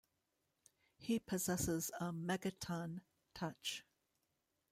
He possesses a Megaton Touch.